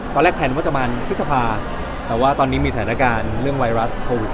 แพลนว่าจะประมาณพฤษภาแต่ว่าตอนนี้มีสถานการณ์เรื่องไวรัสโควิด๑๙